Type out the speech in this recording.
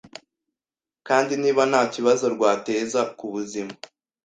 kandi niba nta kibazo rwateza ku buzima.